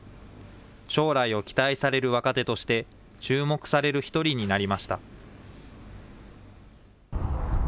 将来を期待される若手として、注目される１人になりました。